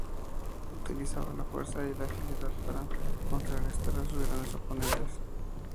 Utilizaba la fuerza y la agilidad para contrarrestar a sus grandes oponentes.